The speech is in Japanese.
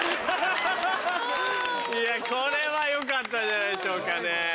これはよかったんじゃないでしょうかね？